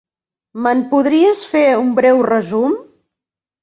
Me'n podries fer un breu resum?